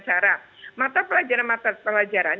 cara mata pelajaran mata pelajaran